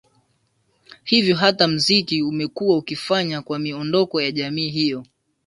Hivyo hata mziki umekuwa ukifanya kwa miondoko ya jamii hiyo